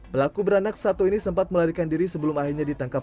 pelaku beranak satu ini sempat melarikan diri sebelum akhirnya ditangkap